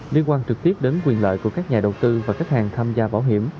liên quan trực tiếp đến quyền lợi của các nhà đầu tư và khách hàng tham gia bảo hiểm